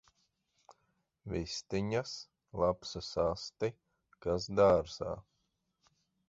Vistiņas! Lapsas asti! Kas dārzā!